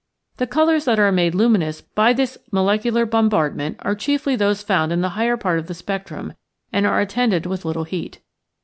The colors that are made luminous by this molecular bombardment are chiefly those found in the higher part of the spectrum, and are attended with little heat.